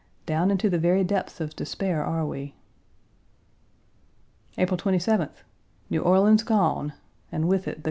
Down into the very depths of despair are we. April 27th. New Orleans gone1 and with it the 1.